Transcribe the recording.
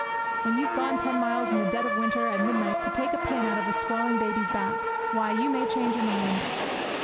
When you've gone ten miles in the dead of winter, at midnight, to take a pin out of a squalling baby's back, why, you may change your mind!"'